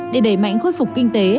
để đẩy mạnh khôi phục kinh tế